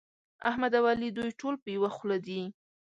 احمد او علي دوی ټول په يوه خوله دي.